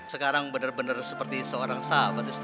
sekarang benar benar seperti seorang sahabat ustadz